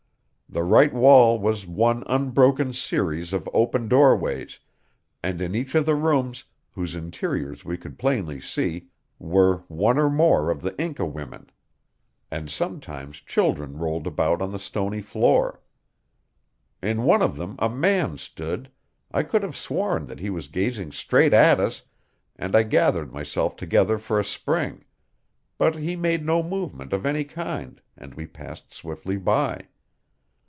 The right wall was one unbroken series of open doorways, and in each of the rooms, whose interiors we could plainly see, were one or more of the Inca Women; and sometimes children rolled about on the stony floor. In one of them a man stood; I could have sworn that he was gazing straight at us, and I gathered myself together for a spring; but he made no movement of any kind and we passed swiftly by.